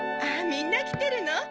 みんな来てるの？